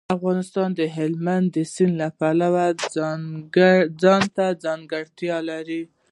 افغانستان د هلمند سیند له پلوه ځانته ځانګړتیاوې لري.